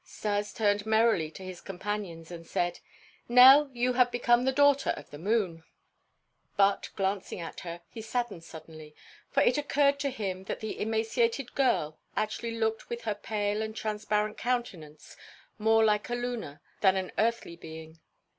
Stas turned merrily to his companion and said: "Nell, you have become the daughter of the moon." But, glancing at her, he saddened suddenly, for it occurred to him that the emaciated girl actually looked with her pale and transparent countenance more like a lunar than an earthly being.